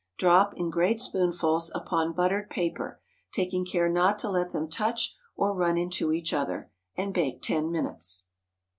Drop, in great spoonfuls, upon buttered paper, taking care not to let them touch or run into each other, and bake ten minutes.